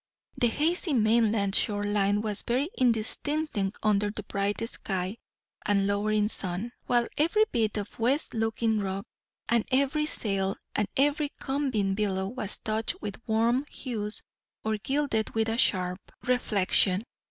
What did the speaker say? The hazy mainland shore line was very indistinct under the bright sky and lowering sun; while every bit of west looking rock, and every sail, and every combing billow was touched with warm hues or gilded with a sharp reflection.